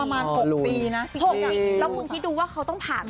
ประมาณหกปีนะหกอย่างอีกแล้วคุณคิดดูว่าเขาต้องผ่าน